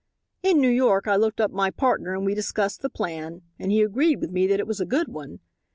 "In New York I looked up my partner and we discussed the plan and he agreed with me that it was a good one.